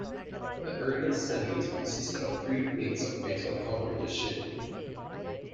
The earliest suneate consisted of three plates of metal covering the shin.